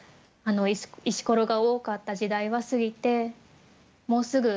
石ころが多かった時代は過ぎてもうすぐ大らかな海に出る。